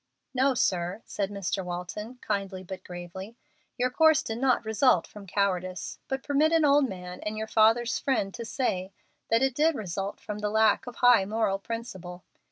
"No, sir," said Mr. Walton, kindly but gravely; "your course did not result from cowardice. But permit an old man and your father's friend to say that it did result from the lack of high moral principle.